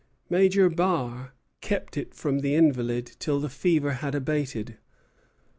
Major Barré kept it from the invalid till the fever had abated.